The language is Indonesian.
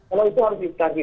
kalau itu harus dikasih kasih